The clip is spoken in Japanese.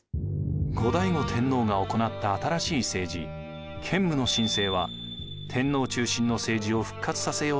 後醍醐天皇が行った新しい政治建武の新政は天皇中心の政治を復活させようとするものでした。